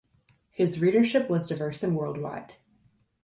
His readership was diverse and worldwide.